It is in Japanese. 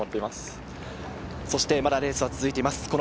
まだレースは続いています。